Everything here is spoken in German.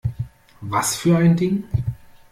Was für ein Ding?